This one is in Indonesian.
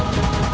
aku akan menang